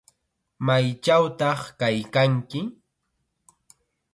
¿Maychawtaq kaykanki?